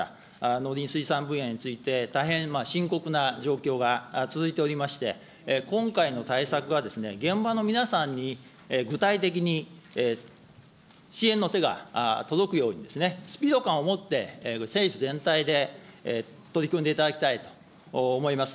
農林水産分野について、大変深刻な状況が続いておりまして、今回の対策が現場の皆さんに具体的に支援の手が届くように、スピード感を持って、政府全体で取り組んでいただきたいと思います。